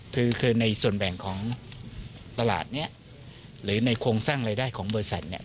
คือคือในส่วนแบ่งของตลาดเนี่ยหรือในโครงสร้างรายได้ของบริษัทเนี่ย